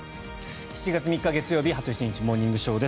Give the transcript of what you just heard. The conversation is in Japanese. ７月３日、月曜日「羽鳥慎一モーニングショー」。